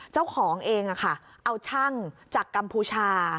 เจ้าของเองเอาช่างจากกัมพูชา